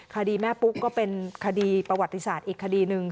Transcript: คดีแม่ปุ๊กก็เป็นคดีประวัติศาสตร์อีกคดีหนึ่ง